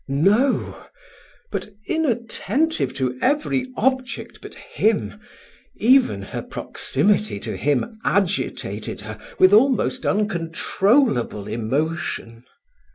No but, inattentive to every object but him, even her proximity to him agitated her with almost uncontrollable emotion.